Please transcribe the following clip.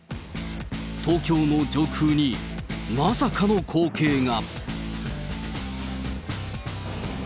東京の上空に、まさかの光景が。